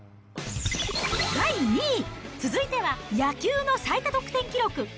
第２位、続いては、野球の最多得点記録。